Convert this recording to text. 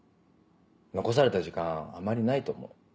残された時間あまりないと思う。